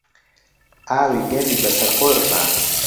ئاوی گەرمی بەسەر خۆی ڕژاند.